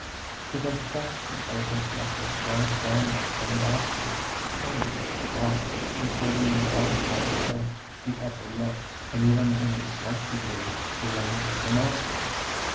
The contraction of this muscle draws downwards and outwards the corners of the mouth, including the outer part of the upper lip, and even in a slight degree the wings of the nostrils.